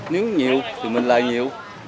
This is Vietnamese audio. nếu nhiều thì mình lời nhiều